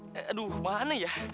tunggu aduh mana ya